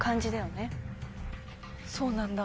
そうなんだ。